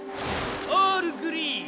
オールグリーン。